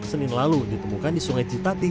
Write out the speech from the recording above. senin lalu ditemukan di sungai citati